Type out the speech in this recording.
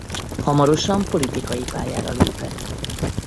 Hamarosan politikai pályára lépett.